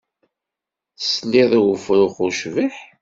Tesliḍ i wefrux ucbiḥ?